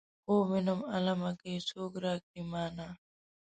خوب وينم عالمه که یې څوک راکړل مانا.